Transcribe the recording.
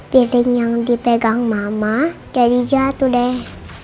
piring yang dipegang mama jadi jatuh deh